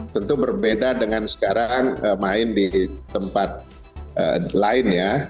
tentu berbeda dengan sekarang main di tempat lain ya